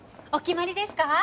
お決まりですか？